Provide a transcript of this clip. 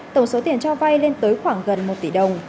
tổng số tiền cho vay lên tới khoảng gần một tỷ đồng